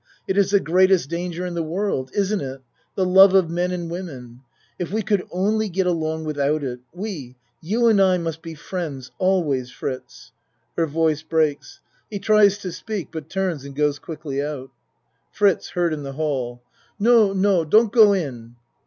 It is the greatest danger in the world isn't it the love of men and women. If we could only get along without it. We you and I must be friends always, Fritz. (Her voice breaks. He tries to speak, but turns and goes quickly out.) FRITZ (Heard in the hall.) No, no, don't go in.